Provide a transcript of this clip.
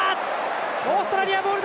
オーストラリアボール！